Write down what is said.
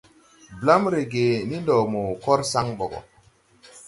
Blam rege ni ndɔ mo kɔr saŋ ɓɔ gɔ!